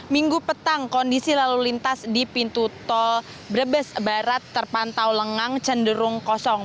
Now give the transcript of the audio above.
minggu petang kondisi lalu lintas di pintu tol brebes barat terpantau lengang cenderung kosong